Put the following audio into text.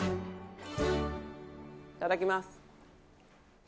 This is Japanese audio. いただきます。